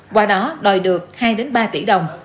qua đó đòi được hai đến ba tỷ đồng